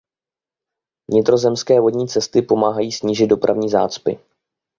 Vnitrozemské vodní cesty pomáhají snížit dopravní zácpy.